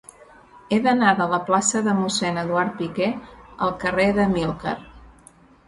He d'anar de la plaça de Mossèn Eduard Piquer al carrer d'Amílcar.